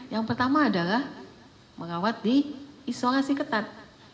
yang pertama adalah mengawat di isolasi ketat